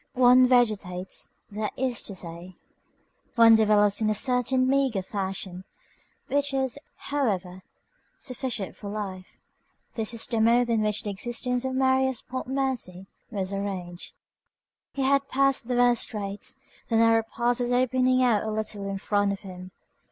One vegetates, that is to say, one develops in a certain meagre fashion, which is, however, sufficient for life. This is the mode in which the existence of Marius Pontmercy was arranged: He had passed the worst straits; the narrow pass was opening out a little in front of him.